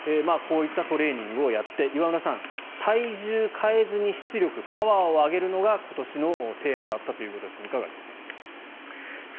こういったトレーニングをやって岩村さん体重を変えずに出力、パワーを上げるのが今年のテーマだったということですがいかがですか。